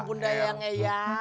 ampun dah yang eya